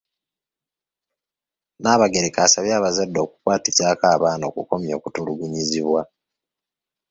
Nnabagereka asabye abazadde okukwatizaako abaana okukomya okutulugunyizibwa.